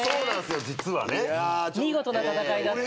見事な戦いだった。